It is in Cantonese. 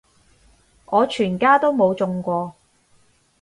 我全家都冇中過